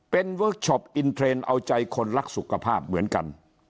เป็นเวิร์คชอปอินเทรนด์เอาใจคนรักสุขภาพเหมือนกัน